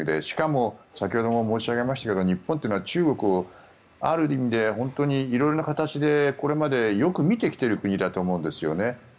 しかも先ほど申し上げましたけど日本は中国をある意味で本当に、いろいろな形でこれまでよく見てきている国だと思うんですよね。